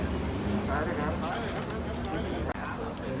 อัตภัยต่อเรือกีล